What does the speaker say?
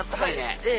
ええ。